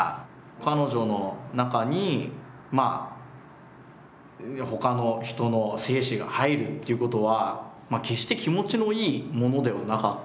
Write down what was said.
彼女の中にほかの人の精子が入るっていうことは決して気持ちのいいものではなかった。